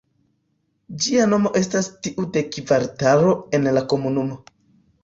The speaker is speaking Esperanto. Ĝia nomo estas tiu de kvartalo en la komunumo.